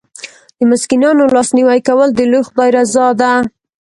د مسکینانو لاسنیوی کول د لوی خدای رضا ده.